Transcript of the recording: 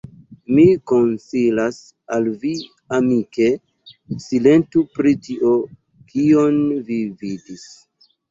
mi konsilas al vi amike, silentu pri tio, kion vi vidis.